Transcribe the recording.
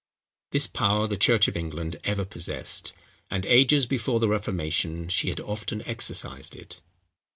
This power the church of England ever possessed; and ages before the Reformation she had often exercised it.